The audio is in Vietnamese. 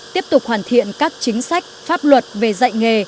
tiếp tục hoàn thiện các chính sách pháp luật về dạy nghề